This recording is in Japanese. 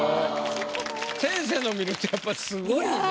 先生の見るとやっぱすごいね。